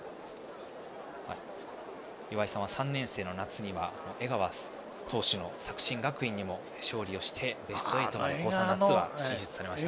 岩井さんは３年生の夏には江川投手の作新学院にも勝利をしてベスト８に進出されました。